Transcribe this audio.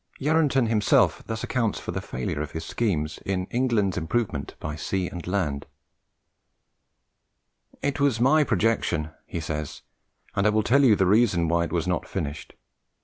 Yarranton himself thus accounts for the failure of his scheme in 'England's Improvement by Sea and Land': "It was my projection," he says, "and I will tell you the reason why it was not finished.